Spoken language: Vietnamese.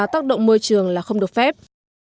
tác động môi trường là không được phép